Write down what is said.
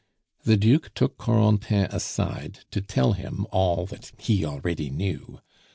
The Duke took Corentin aside to tell him all he already knew.